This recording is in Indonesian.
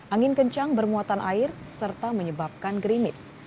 angin kencang bermuatan air serta menyebabkan gerimis